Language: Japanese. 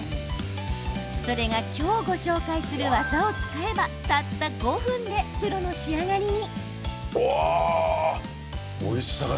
それが今日ご紹介する技を使えばたった５分でプロの仕上がりに。